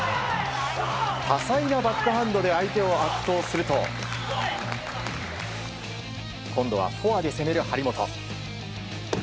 多彩なバックハンドで相手を圧倒すると今度はフォアで攻める張本。